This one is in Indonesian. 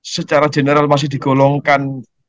secara general masih digolongkan